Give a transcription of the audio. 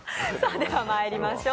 ではまいりましょう。